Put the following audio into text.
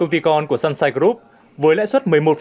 công ty con của sunshine group với lãi suất một mươi một